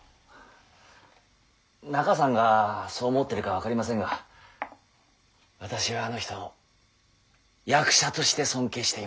中さんがそう思ってるかは分かりませぬが私はあの人を役者として尊敬しています。